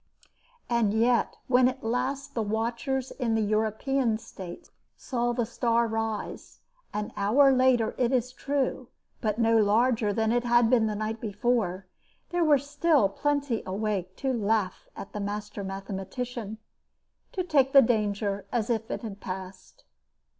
And yet, when at last the watchers in the European States saw the star rise, an hour later it is true, but no larger than it had been the night before, there were still plenty awake to laugh at the master mathematician to take the danger as if it had passed.